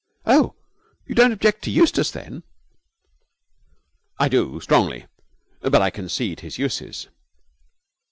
'Oh, you don't object to Eustace, then?' 'I do strongly, but I concede his uses.'